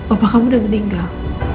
apakah kamu udah meninggal